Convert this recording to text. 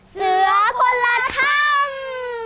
เสือคนละทั้ง